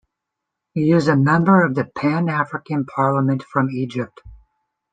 He is a member of the Pan-African Parliament from Egypt.